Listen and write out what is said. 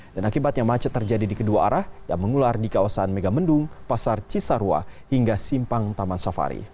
dan akibatnya macet terjadi di kedua arah yang mengular di kawasan megamendung pasar cisarua hingga simpang taman safari